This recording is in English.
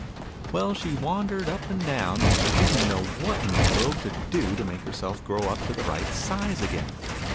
Well, she wandered up and down, and didn't know what in the world to do, to make herself grow up to her right size again.